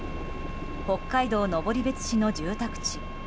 北海道登別市の住宅地。